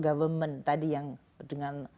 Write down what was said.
government tadi yang dengan